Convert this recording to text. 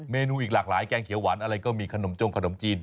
เมนูอีกหลากหลายแกงเขียวหวานอะไรก็มีขนมจงขนมจีน